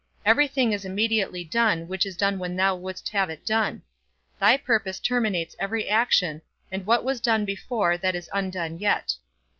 Every thing is immediately done, which is done when thou wouldst have it done. Thy purpose terminates every action, and what was done before that is undone yet.